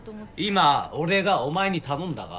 今俺がお前に頼んだか？